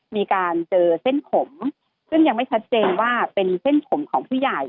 มีการเจอเส้นผมซึ่งยังไม่ชัดเจนว่าเป็นเส้นผมของผู้ใหญ่